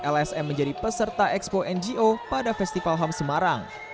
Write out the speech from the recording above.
tiga puluh empat lsm menjadi peserta ekspo ngo pada festival ham semarang